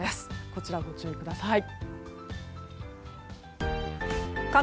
こちらご注意ください。